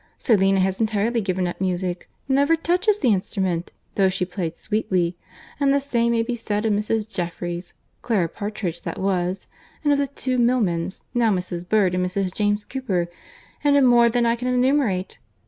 Selina has entirely given up music—never touches the instrument—though she played sweetly. And the same may be said of Mrs. Jeffereys—Clara Partridge, that was—and of the two Milmans, now Mrs. Bird and Mrs. James Cooper; and of more than I can enumerate.